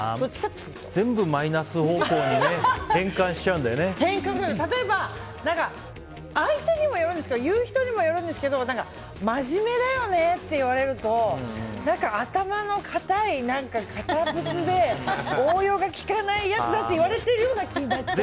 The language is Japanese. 全部マイナス方向に例えば相手にもよるんですけど言う人にもよるんですけど真面目だよねって言われると何か頭の固い、堅物で応用が利かないやつだって言われてるような気になっちゃう。